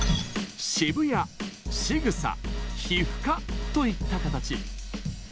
渋谷、仕草、皮膚科といった形。